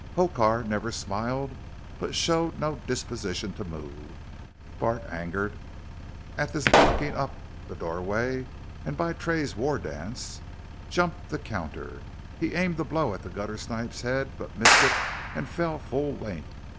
Hokar never smiled, but showed no disposition to move. Bart, angered at this blocking up the doorway, and by Tray's war dance, jumped the counter. He aimed a blow at the guttersnipe's head, but missed it and fell full length.